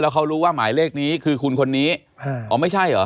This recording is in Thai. เขารู้ว่าหมายเลขนี้คือคุณคนนี้อ๋อไม่ใช่เหรอ